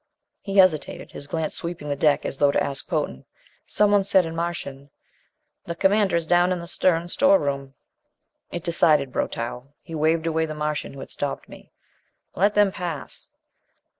He hesitated, his glance sweeping the deck as though to ask Potan. Someone said in Martian: "The Commander is down in the stern storeroom." It decided Brotow. He waved away the Martian who had stopped me. "Let them pass."